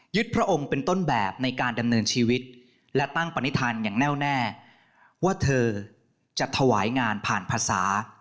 พระองค์เป็นต้นแบบในการดำเนินชีวิตและตั้งปณิธานอย่างแน่วแน่ว่าเธอจะถวายงานผ่านภาษา